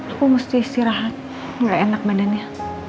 aku mesti istirahat mulai enak badannya